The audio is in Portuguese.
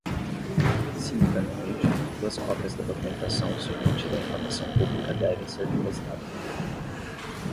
Simultaneamente, duas cópias da documentação submetida à informação pública devem ser depositadas na Prefeitura.